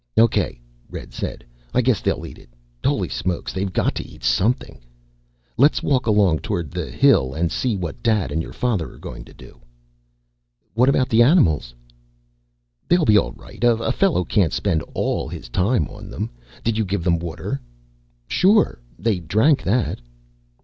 "Okay," Red said, "I guess they'll eat it. Holy Smokes, they've got to eat something. Let's walk along toward the hill and see what Dad and your father are going to do." "What about the animals?" "They'll be all right. A fellow can't spend all his time on them. Did you give them water?" "Sure. They drank that."